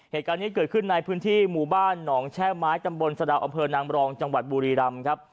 เหตุการณ์นี้เกิดขึ้นในพื้นที่หมู่บ้านหนองแช่ไม้ตำบลสะดาวอำเภอนางรองจังหวัดบุรีรำครับ